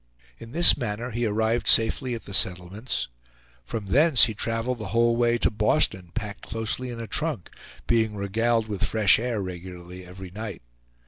In this manner he arrived safely at the settlements. From thence he traveled the whole way to Boston packed closely in a trunk, being regaled with fresh air regularly every night.